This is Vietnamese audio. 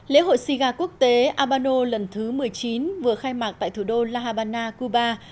lễ hội xiga quốc tế abano lần thứ một mươi chín vừa khai mạc tại thủ đô la habana cuba